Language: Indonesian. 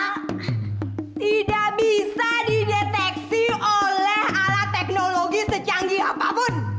karena tidak bisa dideteksi oleh alat teknologi secanggih apapun